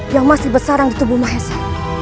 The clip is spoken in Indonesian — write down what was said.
yang masih besarang di tubuh mahesha